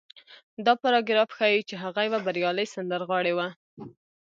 دا پاراګراف ښيي چې هغه يوه بريالۍ سندرغاړې وه.